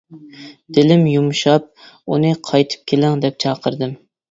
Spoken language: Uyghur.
دىلىم يۇمشاپ، ئۇنى قايتىپ كېلىڭ دەپ چاقىردىم.